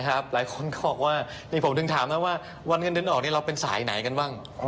หลายคนก็บอกว่านี่ผมถึงถามนะว่าวันเงินเดือนออกนี่เราเป็นสายไหนกันบ้าง